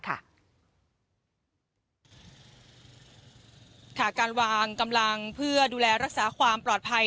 การวางกำลังเพื่อดูแลรักษาความปลอดภัย